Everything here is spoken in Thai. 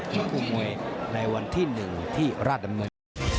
ดูคุณคู่มวยในวันที่หนึ่งที่ราดดำเนิน